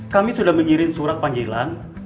kami sudah mengirim surat panggilan